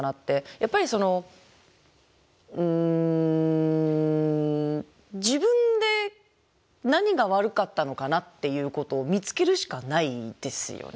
やっぱりそのうん自分で何が悪かったのかなっていうことを見つけるしかないですよね。